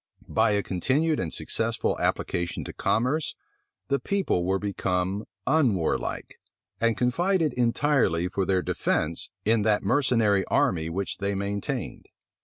By a continued and successful application to commerce, the people were become unwarlike, and confided entirely for their defence in that mercenary army which they maintained.